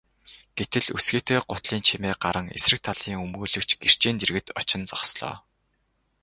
Гэтэл өсгийтэй гутлын чимээ гаран эсрэг талын өмгөөлөгч гэрчийн дэргэд очин зогслоо.